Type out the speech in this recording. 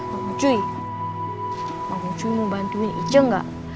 mau cuy mau cuy mau bantuin ije gak